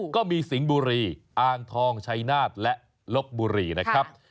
สิงห์บุรีอ่างทองชัยนาฏและลบบุรีนะครับ